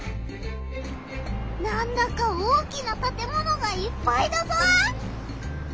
なんだか大きなたてものがいっぱいだぞ！